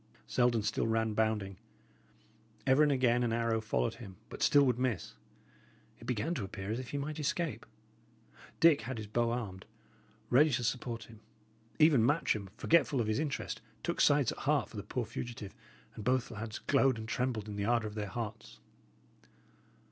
Selden still ran, bounding; ever and again an arrow followed him, but still would miss. It began to appear as if he might escape. Dick had his bow armed, ready to support him; even Matcham, forgetful of his interest, took sides at heart for the poor fugitive; and both lads glowed and trembled in the ardour of their hearts.